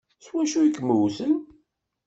S wacu i kem-wwten?